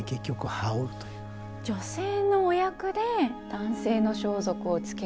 女性のお役で男性の装束をつける？